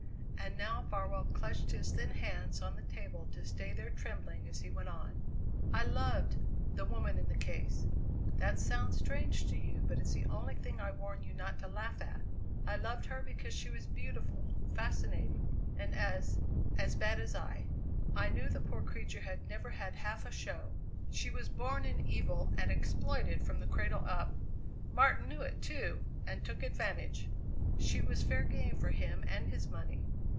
And now Farwell clutched his thin hands on the table to stay their trembling as he went on: "I loved the woman in the case. That sounds strange to you, but it's the only thing I warn you not to laugh at! I loved her because she was beautiful, fascinating, and as as bad as I. I knew the poor creature had never had half a show. She was born in evil and exploited from the cradle up. Martin knew it, too, and took advantage. She was fair game for him and his money.